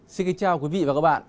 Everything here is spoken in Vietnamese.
xin kính chào quý vị và các bạn